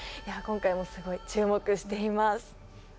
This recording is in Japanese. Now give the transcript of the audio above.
今回もすごい注目しています。